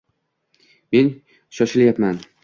Men shoshilayapman.